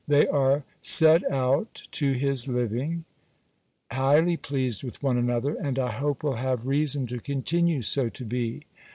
They are set out to his living, highly pleased with one another; and I hope will have reason to continue so to be.